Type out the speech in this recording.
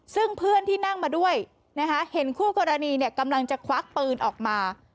ซึ่งเพื่อนที่นั่งมาด้วยนะคะเห็นคู่กรณีกำลังจะควักปืนออกมา